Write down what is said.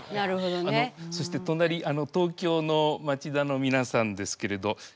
そして隣東京の町田の皆さんですけれど。